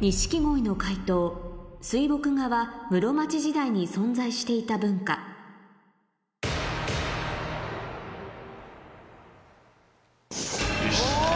錦鯉の解答水墨画は室町時代に存在していた文化よっしゃ！